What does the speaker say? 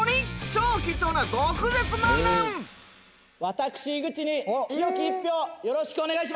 私井口に清き一票をよろしくお願いします。